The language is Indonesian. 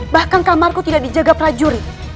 bahkan kamarku tidak dijaga prajurit